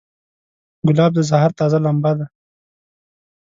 ګلاب د سحر تازه لمبه ده.